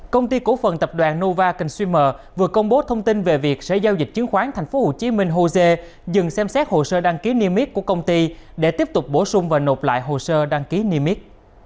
công ty cổ phần tập đoàn nova kinsimer vừa công bố thông tin về việc sở giao dịch chứng khoán tp hcm hosea dừng xem xét hồ sơ đăng ký niêm miết của công ty để tiếp tục bổ sung và nộp lại hồ sơ đăng ký niêm yết